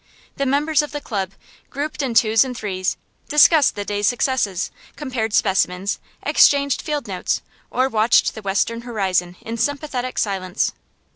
The members of the club, grouped in twos and threes, discussed the day's successes, compared specimens, exchanged field notes, or watched the western horizon in sympathetic silence.